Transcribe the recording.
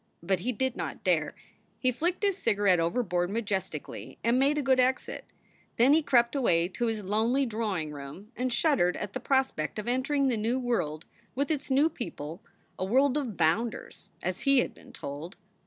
But he did not dare. He flicked his cigarette overboard majestically and made a good exit. Then he crept away to his lonely drawing room and shud dered at the prospect of entering the new world with its new people, a world of bounders, as he had been told.